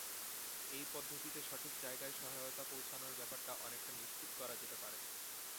এই পদ্ধতিতে সঠিক জায়গায় সহায়তা পৌঁছানোর ব্যাপারটা অনেকটা নিশ্চিত করা যেতে পারে।